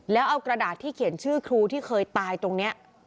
แล้วเอากระดาษที่เขียนชื่อครูที่เคยตายตรงนี้